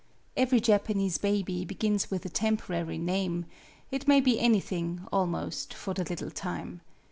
Every Japanese baby begins with a tem porary name; it may be anything, almost, for the little time.